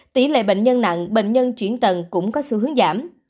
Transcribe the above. tỷ lệ bệnh nhân nặng bệnh nhân chuyển tầng cũng có xu hướng giảm